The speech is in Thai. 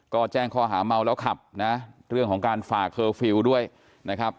ก็แจ้งข้อหาเมาแล้วขับนะเรื่องของการฝ่าเคอร์ฟิลล์ด้วยนะครับ